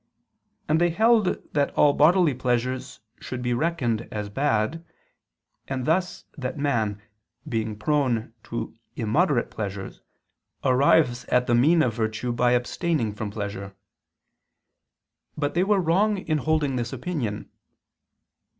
And they held that all bodily pleasures should be reckoned as bad, and thus that man, being prone to immoderate pleasures, arrives at the mean of virtue by abstaining from pleasure. But they were wrong in holding this opinion.